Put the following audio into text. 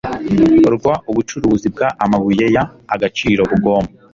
rw ubucukuzi bw amabuye y agaciro bugomba